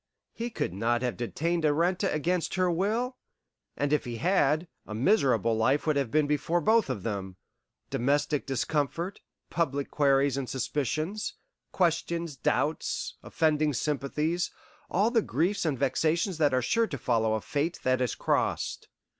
He could not have detained Arenta against her will, and if he had, a miserable life would have been before both of them domestic discomfort, public queries and suspicions, questions, doubts, offending sympathies all the griefs and vexations that are sure to follow a Fate that is crossed.